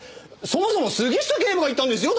そもそも杉下警部が言ったんですよ！？